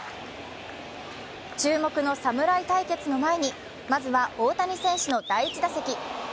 注目の侍対決の前にまずは大谷選手の第１打席。